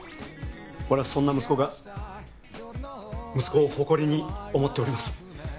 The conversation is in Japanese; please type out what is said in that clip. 俺はそんな息子が息子を誇りに思っております